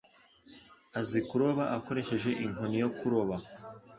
Azi kuroba akoresheje inkoni yo kuroba.